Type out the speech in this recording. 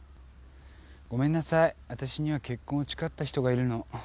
「ごめんなさいあたしには結婚を誓った人がいるの。